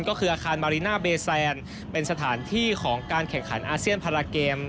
ก็คืออาคารมาริน่าเบแซนเป็นสถานที่ของการแข่งขันอาเซียนพาราเกม